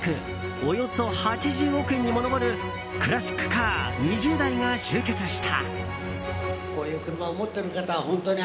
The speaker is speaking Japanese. およそ８０億円にも上るクラシックカー２０台が集結した。